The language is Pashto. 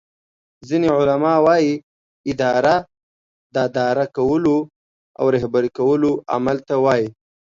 ځینی علما وایې اداره داداره کولو او رهبری کولو عمل ته وایي